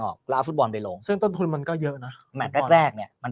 ออกแล้วฟุตบอลไปลงซึ่งต้นทุนมันก็เยอะนะแรกเนี่ยมัน